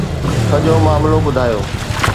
سڄو معاملو ٻڌايو.